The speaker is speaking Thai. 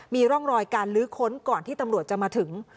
มีร่องรอยการลื้อค้นก่อนที่ตำรวจจะมาถึง